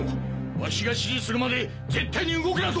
ワシが指示するまで絶対に動くなと！！